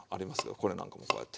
これなんかもこうやって。